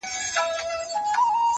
هـغــه اوس سيــمــي د تـــــه ځـــــي،